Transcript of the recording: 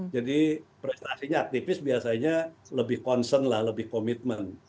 jadi prestasinya aktivis biasanya lebih concern lah lebih komitmen